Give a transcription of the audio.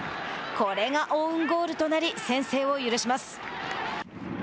これがオウンゴールとなり先制を許します。